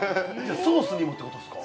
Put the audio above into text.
ソースにもってことですか？